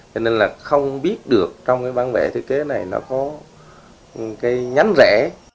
cho nên là không biết được trong cái bản vẽ thiết kế này nó có cái nhánh rẽ